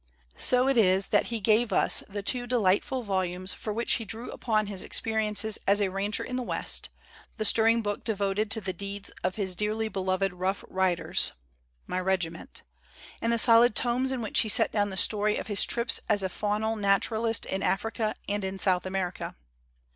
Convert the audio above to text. So it is that he gave us the two delightful vol umes for which he drew upon his experiences as a rancher in the West, the stirring book devoted to the deeds of his dearly beloved Rough Rid ers ("my regiment"), and the solid tomes in which he set down the story of his trips as a faunal naturalist in Africa and in South America.